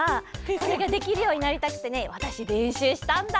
これができるようになりたくてねわたしれんしゅうしたんだ。